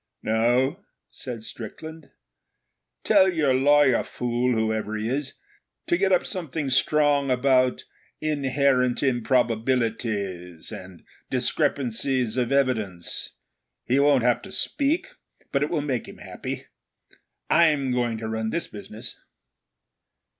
'No,' said Strickland. 'Tell your lawyer fool, whoever he is, to get up something strong about "inherent improbabilities" and "discrepancies of evidence". He won't have to speak, but it will make him happy, I'm going to run this business.'